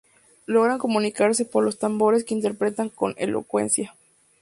Lograban comunicarse por los tambores que interpretaban con elocuencia.